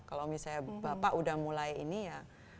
kalau misalnya bapak udah mulai ini ya